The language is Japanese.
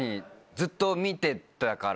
ずっと見てたから。